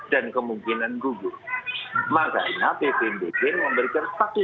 dan kemungkinan gugur